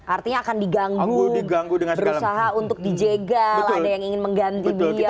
artinya akan diganggu berusaha untuk dijegal ada yang ingin mengganti beliau